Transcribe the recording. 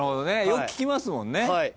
よく聞きますもんね。